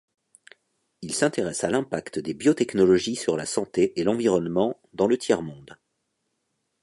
Ils s'intéressent à l'impact des biotechnologies sur la santé et l'environnement dans le tiers-monde.